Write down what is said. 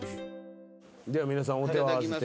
では皆さんお手を合わせて。